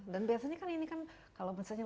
dan biasanya kan ini kan kalau misalnya